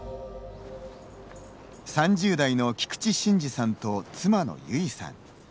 ３０代の菊地進二さんと妻の結さん。